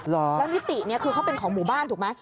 แล้วนิติเนี่ยคือเขาเป็นของหมู่บ้านถูกไหม